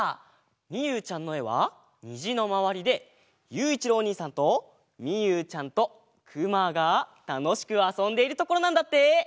みゆうちゃんのえはにじのまわりでゆういちろうおにいさんとみゆうちゃんとくまがたのしくあそんでいるところなんだって！